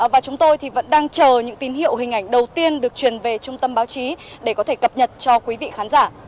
và chúng tôi vẫn đang chờ những tín hiệu hình ảnh đầu tiên được truyền về trung tâm báo chí để có thể cập nhật cho quý vị khán giả